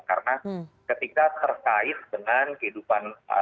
karena ketika terkait dengan kehidupan